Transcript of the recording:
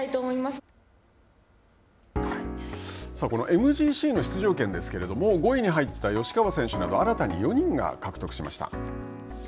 ＭＧＣの出場権ですけれども５位に入った吉川選手など新たに４人が獲得しました。